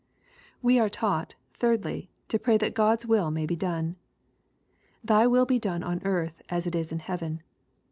We are taught, thirdly, to pray that God's wiU may be done :" Thy will be done on earth as it is in heaven."